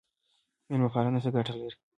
میلمه پالنه څه ګټه لري؟